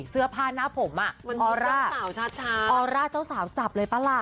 เอาแร่เจ้าสาวจับเลยป้าล่ะ